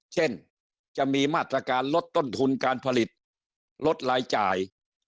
เช่นจะมีมาตรการลดต้นทุนการผลิตลดรายจ่าย